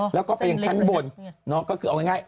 แล้วก็ไปยังชั้นบนก็คือเอาง่าย